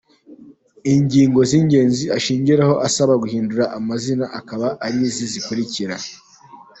Ingingo z’ingenzi ashingiraho asaba guhindura amazina akaba ari izi zikurikira:.